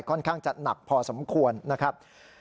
ค่อนข้างจะหนักพอสมควรนะครับ